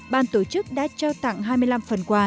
ban tổ chức đã trao tặng hai mươi năm phần quà